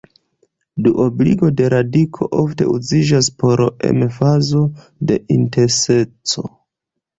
Duobligo de radiko ofte uziĝas por emfazo de intenseco.